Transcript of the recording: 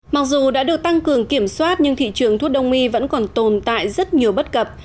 mặc dù đã được tăng cường kiểm soát nhưng thị trường thuốc đông y vẫn còn tồn tại rất nhiều bất cập